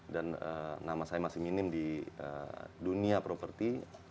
dan nama saya masih minim di dunia properti